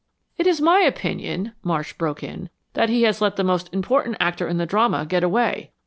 "It is my opinion," Marsh broke in, "that he has let the most important actor in the drama get away.